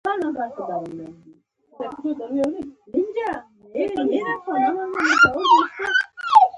ښځې بله پياله ډکه کړه.